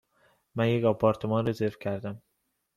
من یک آپارتمان رزرو کردم.